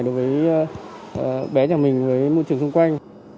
đối với bé nhà mình với môi trường xung quanh